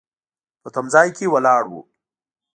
په تم ځای کې ولاړ و.